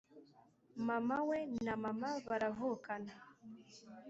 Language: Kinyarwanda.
mama we na mama baravukana